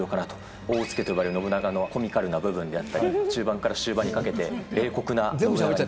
大うつけと呼ばれる信長のコミカルな部分であったり、中盤から終盤にかけて冷酷な。